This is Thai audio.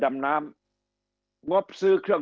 คำอภิปรายของสอสอพักเก้าไกลคนหนึ่ง